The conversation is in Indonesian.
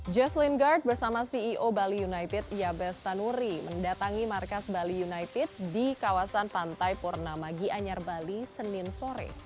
jaslene guard bersama ceo bali united yabes tanuri mendatangi markas bali united di kawasan pantai purnamagi anyar bali senin sore